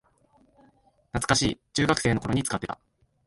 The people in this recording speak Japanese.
懐かしい、中学生の頃に使ってた